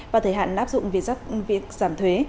và thời hạn áp dụng việc giảm thuế